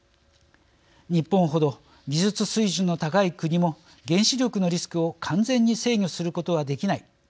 「日本ほど技術水準の高い国も原子力のリスクを完全に制御することはできない」